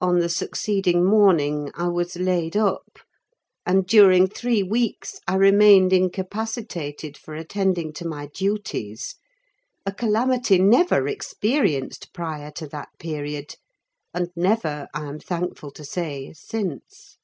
On the succeeding morning I was laid up, and during three weeks I remained incapacitated for attending to my duties: a calamity never experienced prior to that period, and never, I am thankful to say, since.